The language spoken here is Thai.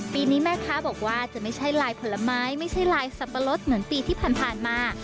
ปีนี้แม่ค้าบอกว่าจะไม่ใช่ลายผลไม้ไม่ใช่ลายสับปะรดเหมือนปีที่ผ่านมา